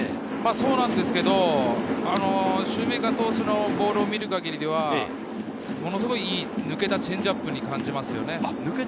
そうなんですけれど、シューメーカー投手のボールを見る限りでは、ものすごいいい、抜けたチェンジアップに見えますよね。